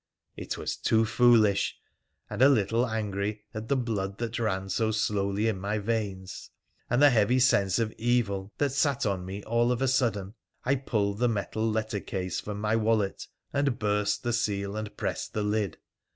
It was too foolish ; and, a little angry at the blood that ran so slowly in my veins, and the heavy sense of evil that sat on me all of a sudden, I pulled the metal letter case from my wallet, and burst the seal and pressed the lid.